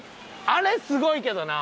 あれすごいけどな。